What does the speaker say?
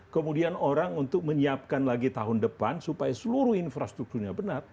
kemudian orang untuk menyiapkan lagi tahun depan supaya seluruh infrastrukturnya benar